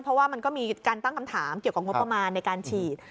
เพราะว่ามันก็มีการตั้งคำถามเกี่ยวกับงบประมาณในการฉีด